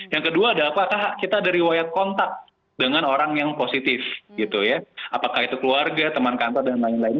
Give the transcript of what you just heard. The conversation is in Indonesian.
yang kedua adalah apakah kita ada riwayat kontak dengan orang yang positif gitu ya apakah itu keluarga teman kantor dan lain lain